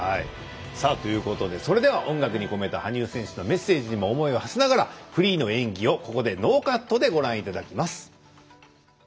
それでは音楽に込めた羽生選手のメッセージにも思いをはせながらフリーの演技をここでノーカットでご覧いただきます。